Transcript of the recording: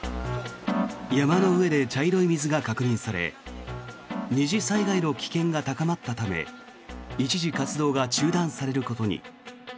山の上で茶色い水が確認され二次災害の危険が高まったため一時、活動が中断されることに。